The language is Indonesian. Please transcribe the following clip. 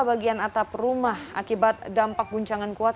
bagian atap rumah akibat dampak guncangan kuat